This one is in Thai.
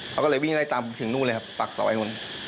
เขาก็เลยวิ่งไล่ตามถึงนู่นเลยครับปากซอยนู้น